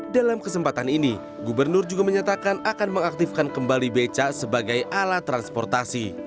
dalam kesempatan ini gubernur juga menyatakan akan mengaktifkan kembali becak sebagai alat transportasi